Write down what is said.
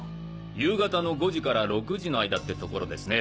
夕方の５時から６時の間ってところですね。